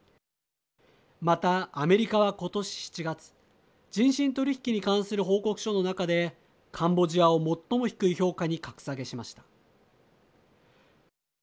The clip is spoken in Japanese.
また、アメリカは今年７月人身取引に関する報告書の中でカンボジアを最も低い評価に格下げしました。